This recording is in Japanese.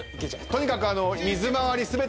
とにかく水回り全てと。